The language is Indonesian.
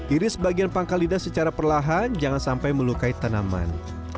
iris bagian pangkal lidah secara perlahan jangan sampai melukai tanaman